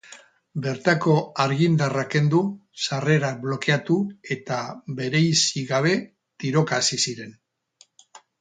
Bertako argindarra kendu, sarrerak blokeatu eta bereizi gabe tiroka hasi ziren.